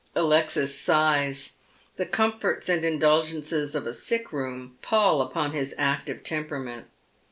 Alexis sighs. The comforts and indulgences of a sick room pall upon his active temperament.